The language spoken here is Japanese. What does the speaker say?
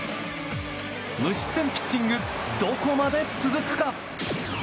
無失点ピッチングどこまで続くか？